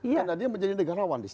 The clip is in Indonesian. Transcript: karena dia menjadi negarawan disitu